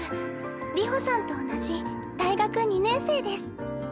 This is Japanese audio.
流星さんと同じ大学２年生です。